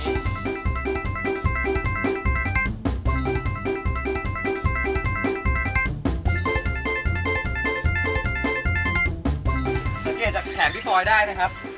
สังเกตจากแขนพี่พลอยได้ไหมครับ